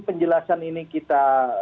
penjelasan ini kita